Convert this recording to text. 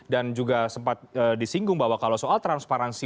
dan juga sempat disinggung bahwa soal transparansi